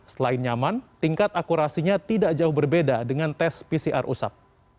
selain nyaman tingkat akurasinya tidak jauh berbeda dengan tes pcr usap